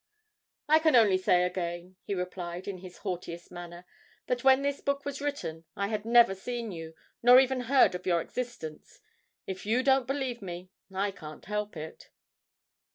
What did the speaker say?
'I can only say again,' he replied in his haughtiest manner, 'that when this book was written, I had never seen you, nor even heard of your existence. If you don't believe me, I can't help it.'